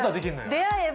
出会えば。